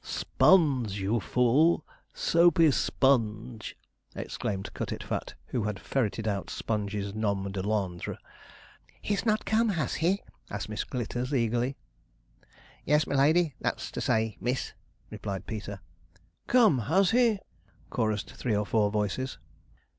'Sponge, you fool! Soapey Sponge,' exclaimed Cutitfat, who had ferreted out Sponge's nomme de Londres. 'He's not come, has he?' asked Miss Glitters eagerly. 'Yes, my lady that's to say, miss,' replied Peter. 'Come, has he!' chorused three or four voices.